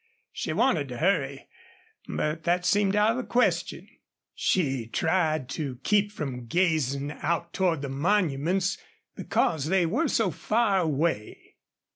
She wanted to hurry, but that seemed out of the question. She tried to keep from gazing out toward the monuments, because they were so far away.